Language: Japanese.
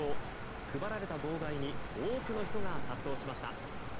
配られた号外に多くの人が殺到しました。